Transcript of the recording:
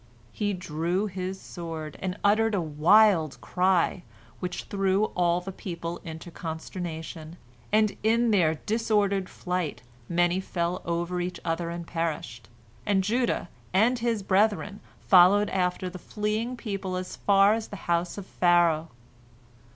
He drew his sword, and uttered a wild cry, which threw all the people into consternation, and in their disordered flight many fell over each other and perished, and Judah and his brethren followed after the fleeing people as far as the house of Pharaoh.